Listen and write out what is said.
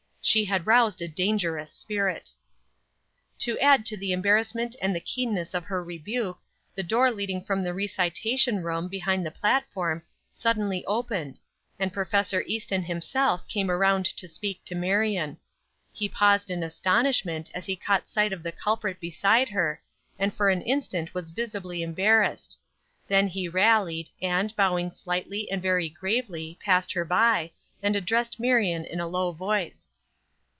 She had roused a dangerous spirit. To add to the embarrassment and the keenness of her rebuke, the door leading from the recitation room, behind the platform, suddenly opened, and Prof. Easton himself came around to speak to Marion. He paused in astonishment as he caught sight of the culprit beside her, and for an instant was visibly embarrassed; then he rallied, and, bowing slightly and very gravely, passed her by, and addressed Marion in a low voice.